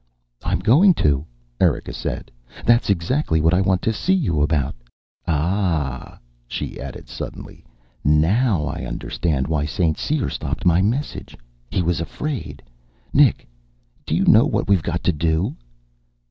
"I'm going to," Erika said. "That's exactly what I want to see you about. Ah," she added suddenly, "now I understand why St. Cyr stopped my message. He was afraid. Nick, do you know what we've got to do?"